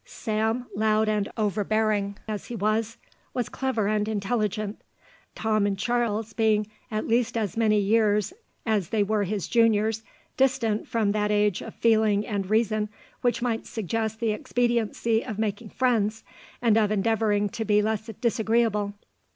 Sam, loud and overbearing as he was, ... was clever and intelligent.... Tom and Charles being at least as many years as they were his juniors distant from that age of feeling and reason which might suggest the expediency of making friends, and of endeavouring to be less disagreeable.